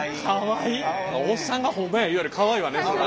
おっさんが「ホンマや」言うよりかわいいわねそら。